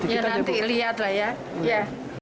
ya nanti lihat lah ya